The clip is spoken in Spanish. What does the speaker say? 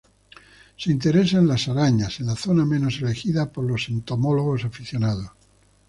Se interesa en las arañas, en la zona menos elegida por los entomólogos aficionados.